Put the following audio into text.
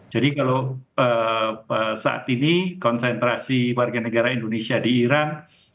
jadi kalau saat ini konsentrasi warga negara indonesia di iran